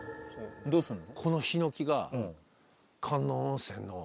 どうすんの？